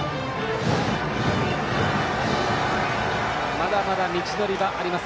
まだまだ道のりはあります。